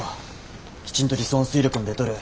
きちんと理想の推力も出とる。